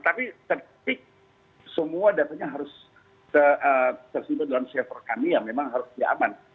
tapi ketika semua datanya harus tersentuh dalam server kami ya memang harus diaman